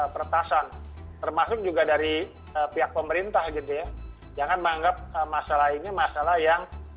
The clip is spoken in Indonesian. peretasan termasuk juga dari pihak pemerintah gitu ya jangan menganggap masalah ini masalah yang